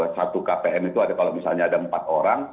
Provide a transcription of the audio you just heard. satu kpm itu ada kalau misalnya ada empat orang